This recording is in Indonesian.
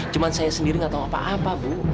cuma saya sendiri gak tau apa apa bu